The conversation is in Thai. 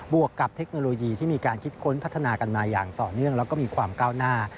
วกกับเทคโนโลยีที่มีการคิดค้นพัฒนากันมาอย่างต่อเนื่องแล้วก็มีความก้าวหน้า